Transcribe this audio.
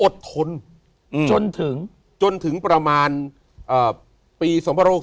อดทนจนถึงประมาณปี๑๒๖๒